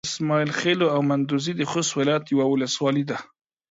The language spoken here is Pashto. اسماعيل خېلو او مندوزي د خوست ولايت يوه ولسوالي ده.